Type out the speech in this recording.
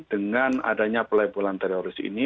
dengan adanya pelabelan teroris ini